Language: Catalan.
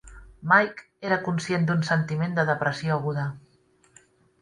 Mike era conscient d'un sentiment de depressió aguda.